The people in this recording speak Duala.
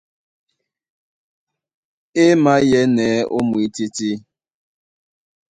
E maɛ̌nɛ́ ó mwǐtítí.